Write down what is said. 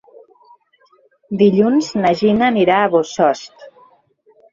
Dilluns na Gina anirà a Bossòst.